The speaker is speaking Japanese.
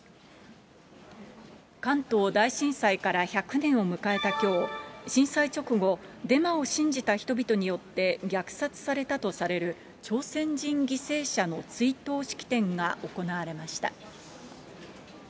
関東大震災から１００年を迎えたきょう、震災直後、デマを信じた人々によって虐殺されたとされる朝鮮人犠牲者の追悼式典が行われました。